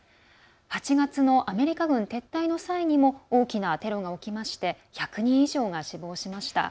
８月のアメリカ軍撤退の際にも大きなテロが起きまして１００人以上が死亡しました。